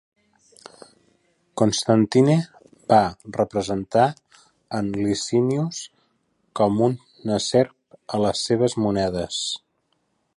Constantine va representar en Licinius com una serp a les seves monedes.